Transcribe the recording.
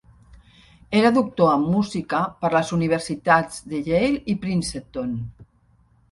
Era doctor en Música per les Universitats de Yale i Princeton.